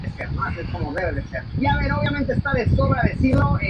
Pero recibe la orden de permanecer en la Bahía de Algeciras.